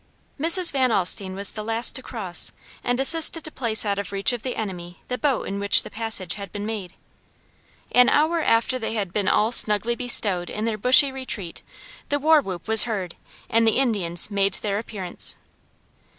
Mrs. Van Alstine was the last to cross and assisted to place out of reach of the enemy, the boat in which the passage had been made. An hour after they had been all snugly bestowed in their bushy retreat, the war whoop was heard and the Indians made their appearance.